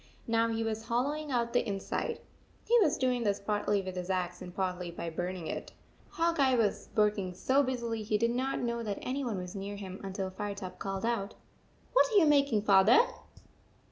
Now he was hollowing out the inside. He was doing this partly with his axe and partly by burning it. Hawk Eye was working so busily he did not know that any one was near him until Firetop called out, " What are you making, Father